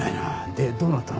でどうなったの？